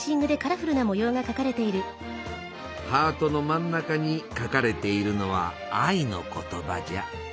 ハートの真ん中に書かれているのは愛の言葉じゃ。